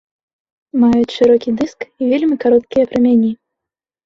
Маюць шырокі дыск і вельмі кароткія прамяні.